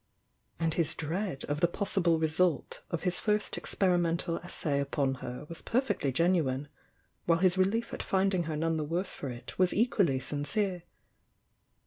And his dread of the possible result of his first experimental essay upon her was perfectly genuine, while his re lief at finding her none the worse for it was equally sincere.